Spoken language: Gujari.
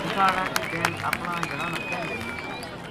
اونٹھاں ہاڑا کی بہن اپنا جنا نا کہن لگی